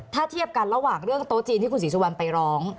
ถ้าเทียบกันระหว่างเรื่องโต๊ะจีนที่คุณศรีสุวรรณไปร้อง